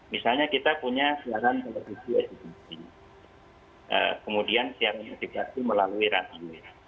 misalnya kita punya siaran televisi edukasi kemudian siaran medikasi melalui radio